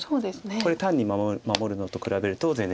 これ単に守るのと比べると全然違うんです。